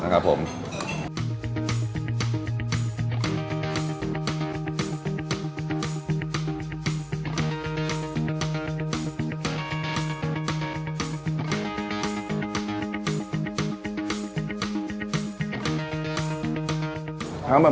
ใช่